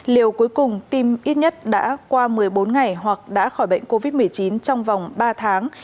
liều cuối cùng tim ít nhất đã qua một mươi bốn ngày hoặc đã khỏi bệnh covid một mươi chín trong vòng ba tháng